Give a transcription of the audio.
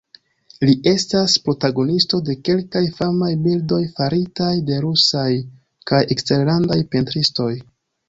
Li estas protagonisto de kelkaj famaj bildoj faritaj de rusaj kaj eksterlandaj pentristoj.